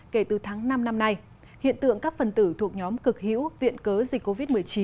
kể từ tháng năm năm nay hiện tượng các phần tử thuộc nhóm cực hữu viện cớ dịch covid một mươi chín